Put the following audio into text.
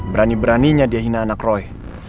berani beraninya dia hina anak roy